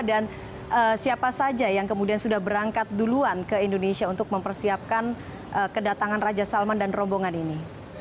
dan siapa saja yang kemudian sudah berangkat duluan ke indonesia untuk mempersiapkan kedatangan raja salman dan rombongan ini